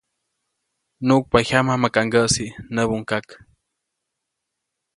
‒nuʼkpa jyama, ¡maka ŋgäʼsi!‒ nämbaʼuŋ kak.